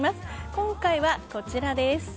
今回はこちらです。